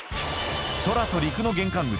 空と陸の玄関口